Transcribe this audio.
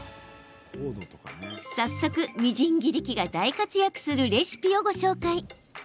早速、みじん切り器が大活躍するレシピをご紹介。